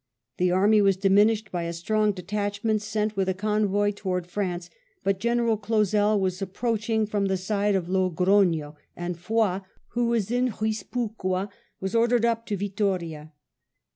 The army was diminished by a strong detachment sent with a convoy towards France, but General Clausel was approaching from the side of Logrono, and Foy, who was in Guispucoa, was ordered up to Yittoria.